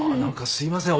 すいません。